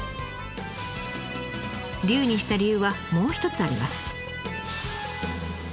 竜にした理由はもう一つあります。